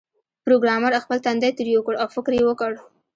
پروګرامر خپل تندی ترېو کړ او فکر یې وکړ